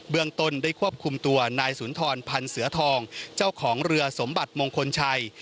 ตนได้ควบคุมตัวนายสุนทรพันธ์เสือทองเจ้าของเรือสมบัติมงคลชัย